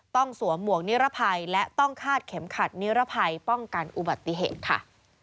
สวมหมวกนิรภัยและต้องคาดเข็มขัดนิรภัยป้องกันอุบัติเหตุค่ะ